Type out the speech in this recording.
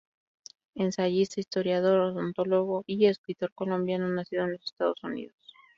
Ensayista, historiador, odontólogo y escritor colombiano nacido en Los Estados Unidos.